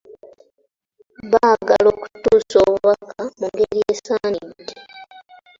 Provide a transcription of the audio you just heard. Baagala kutuusa obubaka mu ngeri esaanidde.